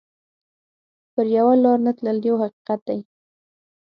پر یوه لار نه تلل یو حقیقت دی.